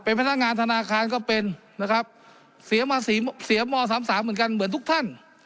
พนักงานธนาคารก็เป็นนะครับเสียมาสี่เสียม๓๓เหมือนกันเหมือนทุกท่าน